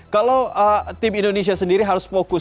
kalau tim indonesia sendiri harus fokus